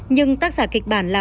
nhưng tác giả kịch bản là